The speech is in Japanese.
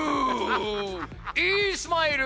いいスマイル！